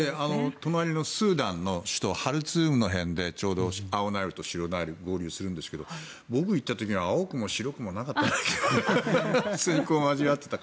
隣のスーダンの首都ハルツームの辺りでちょうど、青ナイルと白ナイルが合流するんですが僕が行った時は青くも白くもなかったです。